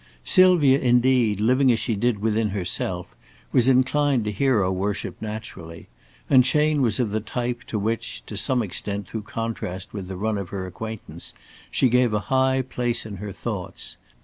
Sylvia, indeed, living as she did within herself, was inclined to hero worship naturally; and Chayne was of the type to which, to some extent through contrast with the run of her acquaintance, she gave a high place in her thoughts.